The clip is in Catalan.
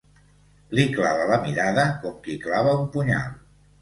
Li clava la mirada com qui clava un punyal.